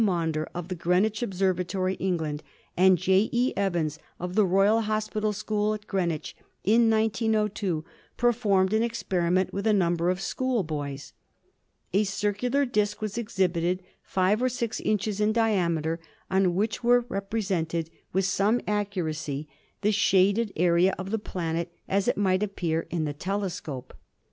Maunder, of the Greenwich Observatory, England, and J. E. Evans, of the Royal Hospital School at Greenwich, in 1902 performed an experiment with a number of schoolboys. A circular disk was exhibited five or six inches in diameter, on which was represented with some accuracy the shaded area of the planet as it might appear in the telescope.